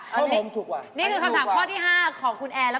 ขอบคุณคะไปแซนวิชกันเองเลยคะ